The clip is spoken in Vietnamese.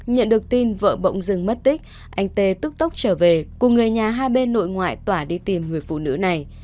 nhận được tin vợ bỗng dừng mất tích anh t tức tốc trở về cùng người nhà hai bên nội ngoại tỏa đi tìm người phụ nữ này